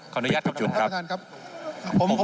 ขออนุญาตครับท่านประธานครับ